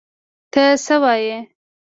ته څه وایې!؟